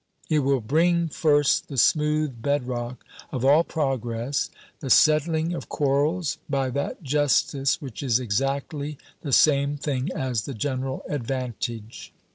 It will bring first the smooth bed rock of all progress the settling of quarrels by that justice which is exactly the same thing as the general advantage.